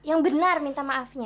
yang bener minta maafnya